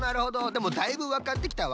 でもだいぶわかってきたわ。